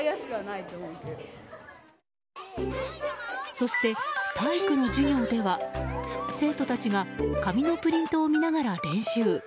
そして、体育の授業では生徒たちが紙のプリントを見ながら練習。